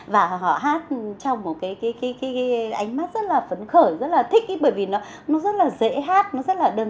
và người ta đi theo tự nhiên